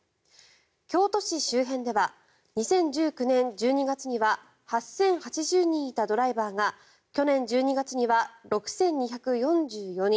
京都市周辺では２０１９年１２月には８０８０人いたドライバーが去年１２月には６２４４人。